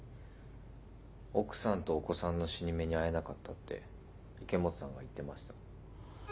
奥さんとお子さんの死に目に会えなかったって池本さんが言ってました。